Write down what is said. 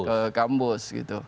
kembali ke kampus